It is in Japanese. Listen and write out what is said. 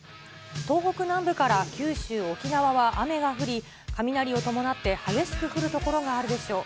東北南部から九州、沖縄は雨が降り、雷を伴って激しく降る所があるでしょう。